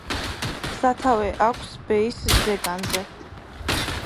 სათავე აქვს ბეის ზეგანზე.